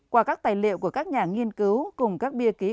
qua các tài liệu của các nhà nghiên cứu cùng các bia ký